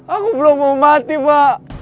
aku belum mau mati pak